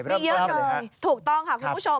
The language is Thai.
มีเยอะเลยถูกต้องค่ะคุณผู้ชม